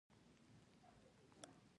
تر څو په آسانۍ ځایونه پیدا کړي.